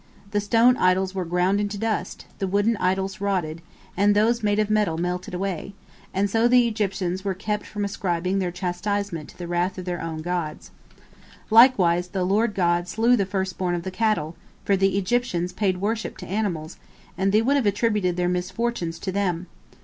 The stone idols were ground into dust, the wooden idols rotted, and those made of metal melted away, and so the Egyptians were kept from ascribing their chastisement to the wrath of their own gods. Likewise the Lord God slew the first born of the cattle, for the Egyptians paid worship to animals, and they would have attributed their misfortunes to them.